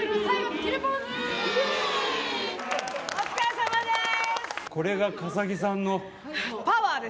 お疲れさまです。